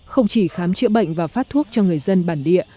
không chỉ khám chữa bệnh và phát thuốc cho người dân bản địa